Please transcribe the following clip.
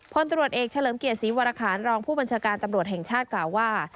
พลตรวจเอกเฉลิมเกียรติศรีวรคารรองผู้บัญชาการตำรวจแห่งชาติกล่าวว่า